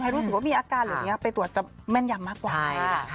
รู้สึกว่ามีอาการเหล่านี้ไปตรวจจะแม่นยำมากกว่า